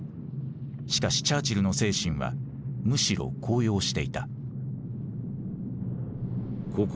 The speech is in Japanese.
しかしチャーチルの精神はむしろ高揚していた。